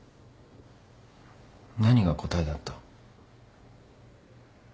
何が答えだった？